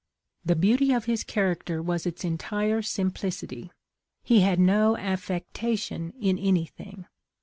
" The beauty of his character was its entire sim plicity. He had no affectation in anything.